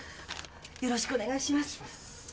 よろしくお願いします